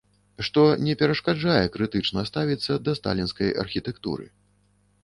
Што не перашкаджае крытычна ставіцца да сталінскай архітэктуры.